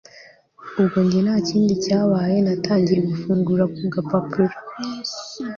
ubwo njye ntakindi cyabaye, natangiye gufungura kagapapuro